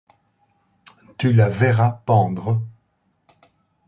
Tu la verras pendre.